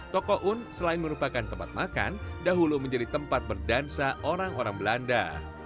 toko un selain merupakan tempat makan dahulu menjadi tempat berdansa orang orang belanda